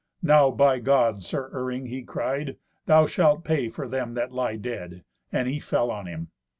"Now by God, Sir Iring," he cried, "thou shalt pay for them that lie dead!" and he fell on him.